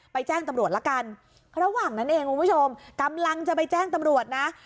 แจ้งตำรวจละกันระหว่างนั้นเองคุณผู้ชมกำลังจะไปแจ้งตำรวจนะ